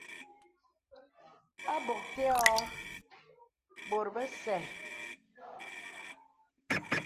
À bòk tè ɔ̄ɔ̄ bòt bèsɛ̂.